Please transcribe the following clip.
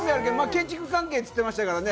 建築関係って言ってましたからね。